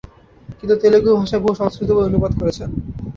তিনি তেলেগু ভাষায় বহু সংস্কৃত বই অনুবাদ করেছেন।